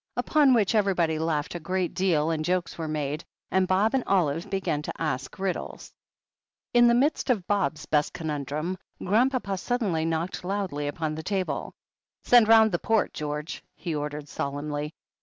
Upon which everybody laughed a great deal and jokes were made, and Bob and Olive began to ask riddles. In the midst of Bob's best contmdrum, Grandpapa suddenly knocked loudly upon the table. "Send round the port, George," he ordered solemnly.